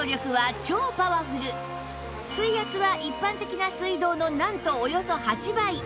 その水圧は一般的な水道のなんとおよそ８倍